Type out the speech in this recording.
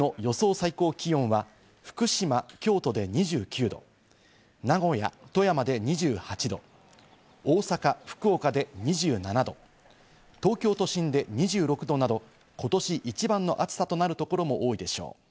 最高気温は福島・京都で２９度、名古屋・富山で２８度、大阪・福岡で２７度、東京都心で２６度など、今年一番の暑さとなるところも多いでしょう。